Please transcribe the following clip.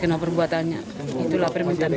kenapa perbuatannya itulah permintaan kami